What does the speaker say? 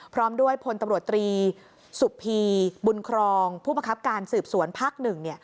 พร้อมด้วยพลตำรวจตรีสุพีบุญครองผู้ประคับการสืบสวนภาค๑